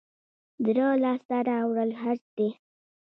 زړه لاس ته راوړل حج دی